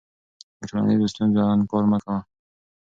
د ټولنیزو ستونزو انکار مه کوه.